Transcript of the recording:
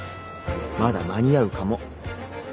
まだ間に合うかも。